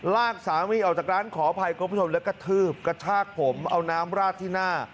ลากสามีออกจากร้านขออภัยคุณผู้ชมแล้วกระทืบกระชากผมเอาน้ำราดที่หน้า